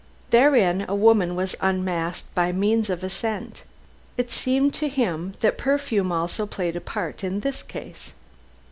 Therein a woman was unmasked by means of a scent. It seemed to him that perfume also played a part in this case.